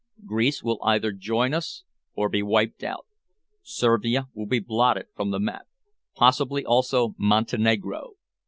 Greece will either join us or be wiped out. Servia will be blotted from the map; probably also Montenegro.